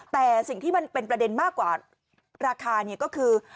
แต่สิ่งที่มันเป็นประเด็นมากกว่าราคาเนี่ยก็คือ